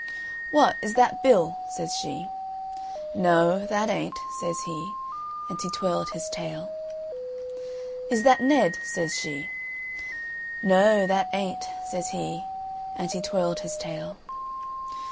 "What, is that Bill?" says she. "Noo, that ain't," says he, and he twirled his tail. "Is that Ned?" says she. "Noo, that ain't," says he, and he twirled his tail.